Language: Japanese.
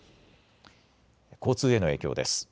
交通への影響です。